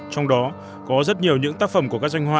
trong đó có rất nhiều những tác phẩm của các doanh hoa